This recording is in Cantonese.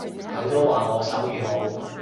佢都話我手語好